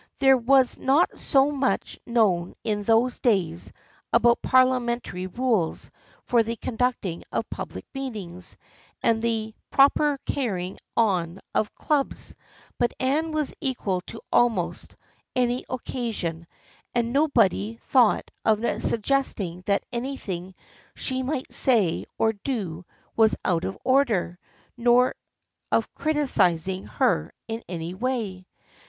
There was not so much known in those days about parliamentary rules for the conducting of public meetings and the proper carrying on of clubs, but Anne was equal to almost any occasion and nobody thought of suggesting that anything she might say or do was " out of order," nor of criticising her in any way.